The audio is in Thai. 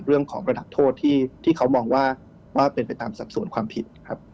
เรื่องของระดับโทษที่เขามองว่าเป็นไปตามสัดส่วนความผิดครับ